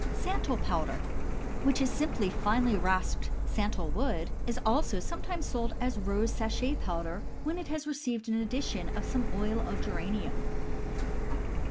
SANTAL POWDER, which is simply finely rasped santal wood, is also sometimes sold as rose sachet powder when it has received an addition of some oil of geranium.